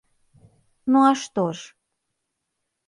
Ну, а што ж?